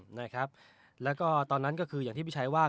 นะครับแล้วก็ตอนนั้นก็คืออย่างที่พี่ชัยว่า